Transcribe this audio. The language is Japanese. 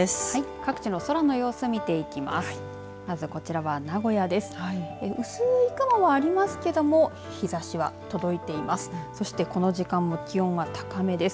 各地の空の様子を見ていきます。